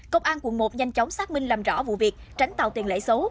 công an quận một nhanh chóng xác minh làm rõ vụ việc tránh tạo tiền lệ xấu